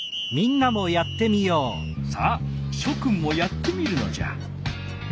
さあしょくんもやってみるのじゃ。